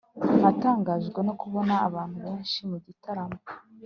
natangajwe no kubona abantu benshi mu gitaramo